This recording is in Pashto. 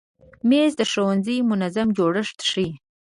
مېز د ښوونځي منظم جوړښت ښیي.